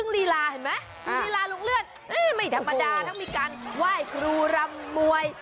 มีเวลาลุงเลือดไม่อีกธรรมดามีการไหว้กรุรัมมวย